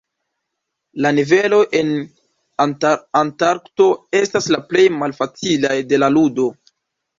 La niveloj en Antarkto estas la plej malfacilaj de la ludo.